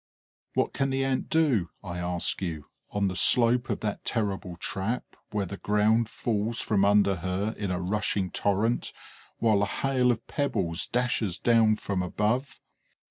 What can the Ant do, I ask you, on the slope of that terrible trap, where the ground falls from under her in a rushing torrent, while a hail of pebbles dashes down from above?